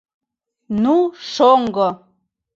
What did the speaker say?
— Ну, шоҥго!